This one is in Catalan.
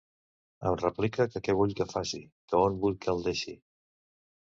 Em replica que què vull que faci, que on vull que el deixi.